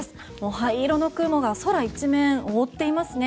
灰色の雲が空一面覆っていますね。